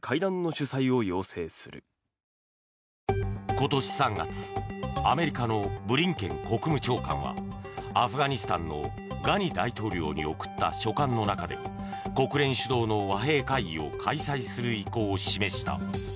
今年３月、アメリカのブリンケン国務長官はアフガニスタンのガニ大統領に送った書簡の中で国連主導の和平会議を開催する意向を示した。